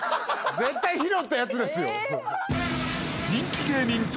絶対拾ったやつですよ。